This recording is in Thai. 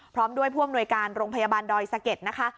พร้อมด้วยผู้อำนวยการโรงพยาบาลดอยสะเก็ดนะคะ